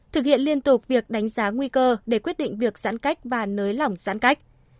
thực hiện liên tục việc đánh giá nguy cơ để quyết định việc giãn cách và nới lỏng giãn cách